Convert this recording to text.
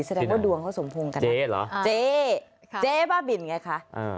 แสดงว่าดวงเขาสมพงษ์กันเจ๊เจ๊บ้าบินไงคะ